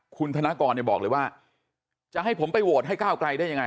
คุณธนกรบอกเลยว่าจะให้ผมไปโหวตให้ก้าวไกลได้ยังไง